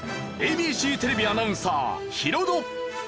ＡＢＣテレビアナウンサーヒロド。